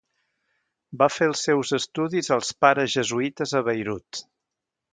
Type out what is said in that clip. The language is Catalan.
Va fer els seus estudis als pares jesuïtes a Beirut.